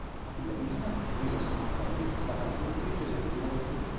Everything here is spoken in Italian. La figlia di Nina, Lisa Simone Kelly, è stata la produttrice esecutiva del film.